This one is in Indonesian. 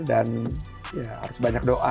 dan harus banyak doa